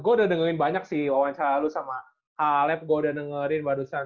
gue udah dengerin banyak sih wawancara lu sama halep gue udah dengerin barusan